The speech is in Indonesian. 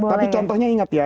tapi contohnya ingat ya